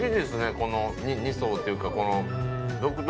この２層っていうか